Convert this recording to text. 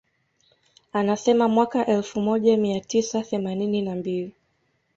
Anasema mwaka elfu moja mia tisa themanini na mbili